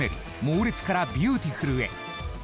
モーレツからビューティフルへ。